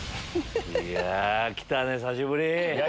いや来たね久しぶり。